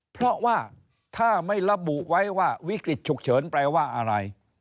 เพราะว่าถ้าไม่ระบุไว้ว่าวิกฤตฉุกเฉินแปลว่าอะไร